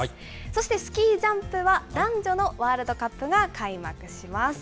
そしてスキージャンプは、男女のワールドカップが開幕します。